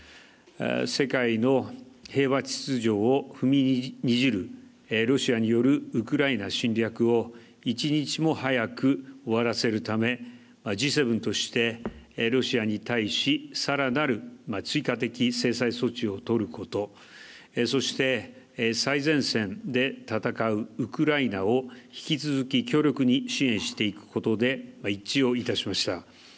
世界の平和秩序を踏みにじるロシアによるウクライナ侵略を１日も早く終わらせるためＧ７としてロシアに対しさらなる追加的制裁措置をとることそして、最前線で戦うウクライナを引き続き強力に支援していくことで一致をいたしました。